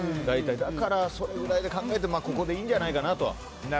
だから、それぐらいで考えてここでいいんじゃないかなと。